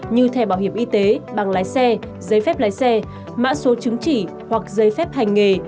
như thẻ bảo hiểm y tế bằng lái xe giấy phép lái xe mã số chứng chỉ hoặc giấy phép hành nghề